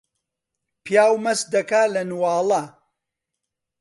پیاو مەست دەکا لە نواڵە